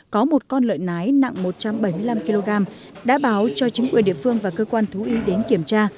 có một con lợn nái nặng một trăm bảy mươi năm kg đã báo cho chính quyền địa phương và cơ quan thú y đến kiểm tra